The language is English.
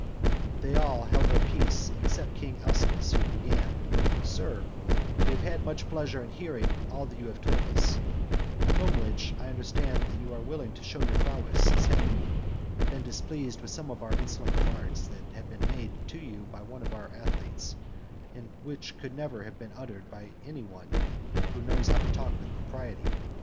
They all held their peace except King Alcinous, who began, "Sir, we have had much pleasure in hearing all that you have told us, from which I understand that you are willing to show your prowess, as having been displeased with some insolent remarks that have been made to you by one of our athletes, and which could never have been uttered by any one who knows how to talk with propriety.